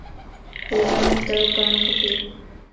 روزانو تڙ ڪرڻ کپ